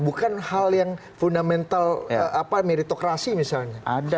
bukan hal yang fundamental meritokrasi misalnya